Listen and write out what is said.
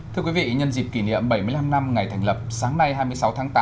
thưa quý vị nhân dịp kỷ niệm bảy mươi năm năm ngày thành lập sáng nay hai mươi sáu tháng tám